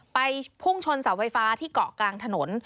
พุ่งชนเสาไฟฟ้าที่เกาะกลางถนน